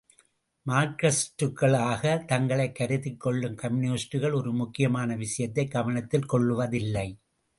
மார்க்ஸிஸ்டுகளாகத் தங்களைக் கருதிக் கொள்ளும் கம்யூனிஸ்டுகள் ஒரு முக்கியமான விஷயத்தை கவனத்தில் கொள்ளுவதில்லை.